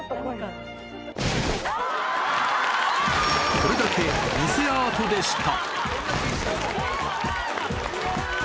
これだけ偽アートでした。